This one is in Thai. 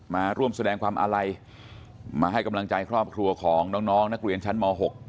มาร่วมแสดงความอาลัยมาให้กำลังใจครอบครัวของน้องนักเรียนชั้นม๖